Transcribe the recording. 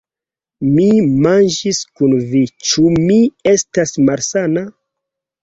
Mi manĝis kun vi; ĉu mi estas malsana?